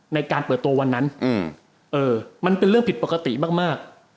ในการเปิดตัววันนั้นมันเป็นเรื่องผิดปกติมาก